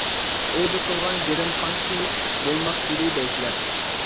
ئۆيدە قىلغان گىرىم قانچىلىك بولماقچىدى دەيسىلەر.